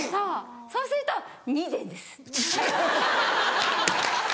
そうすると「２膳です！」。